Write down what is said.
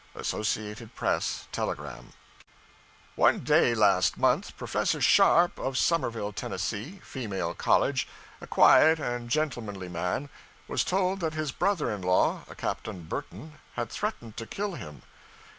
Associated Press Telegram. One day last month, Professor Sharpe, of the Somerville, Tenn., Female College, 'a quiet and gentlemanly man,' was told that his brother in law, a Captain Burton, had threatened to kill him.